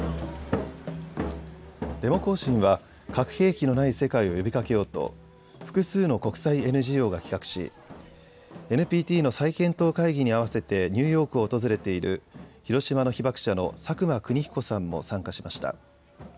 デモ行進は核兵器のない世界を呼びかけようと複数の国際ＮＧＯが企画しＮＰＴの再検討会議に合わせてニューヨークを訪れている広島の被爆者の佐久間邦彦さんも参加しました。